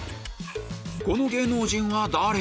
この芸能人は誰？